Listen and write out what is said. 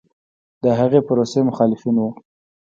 د هغې پروسې مخالفین و